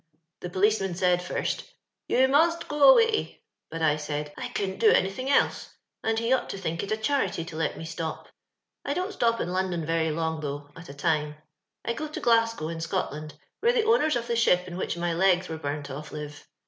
The polioaman aaid fiist ' You must go away,' but I said, * I eooUbit do anythiog eke, and ha ought to think it a charity to let me stop.' I don't stop in London vaiy long; thoai^ at a time ; I go to Olasgow.in Sootlaad, whaie the owners of the ship in which nrr fags wve burnt off live.